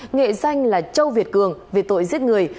nghệ danh là châu việt cường về tội giết người